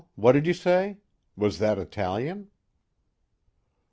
What did you say? Was that Italian?